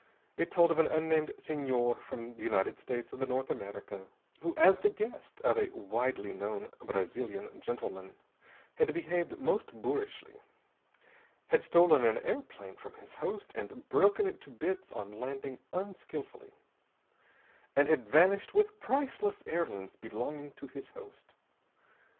It told of an unnamed Senhor from the United States of the North America, who as the guest of a widely known Brazilian gentleman had behaved most boorishly, had stolen an airplane from his host and broken it to bits on landing unskilfully, and had vanished with priceless heirlooms belonging to his host.